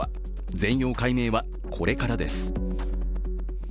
全容解明はこれからです。